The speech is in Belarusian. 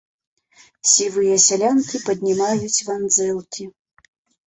Сівыя сялянкі паднімаюць вандзэлкі.